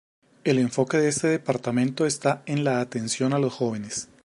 El enfoque de este departamento está en la atención a los jóvenes.